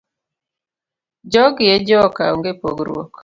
Jogi e joka onge pogruok.